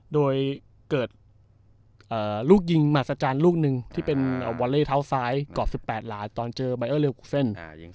โดยเกิดลูกยิงหมาศจรรย์ลูกนึงที่เป็นวอลเล่เท้าซ้ายกรอบ๑๘ล้านตอนเจอบายเออเรียลกรุกเส้น